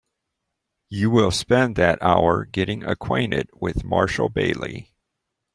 You will spend that hour getting acquainted with Marshall Bailey.